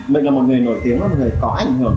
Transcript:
mình là một người nổi tiếng là một người có ảnh hưởng